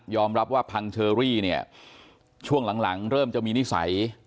รับว่าพังเชอรี่เนี่ยช่วงหลังเริ่มจะมีนิสัย